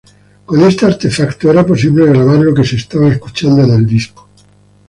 Con este artefacto era posible grabar lo que se estaba escuchando en el disco.